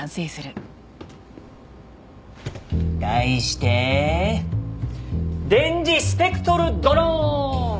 題して電磁スペクトルドローン！